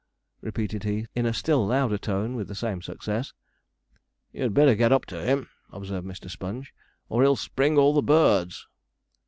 repeated he, in a still louder tone, with the same success. 'You'd better get up to him,' observed Mr. Sponge, 'or he'll spring all the birds.'